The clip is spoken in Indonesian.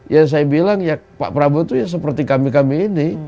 ya saya bilang ya pak prabowo itu ya seperti kami kami ini